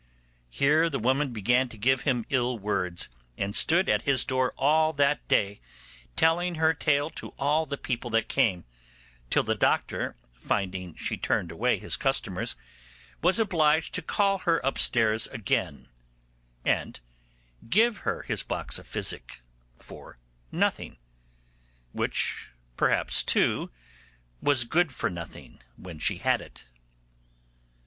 Here the woman began to give him ill words, and stood at his door all that day, telling her tale to all the people that came, till the doctor finding she turned away his customers, was obliged to call her upstairs again, and give her his box of physic for nothing, which perhaps, too, was good for nothing when she had it.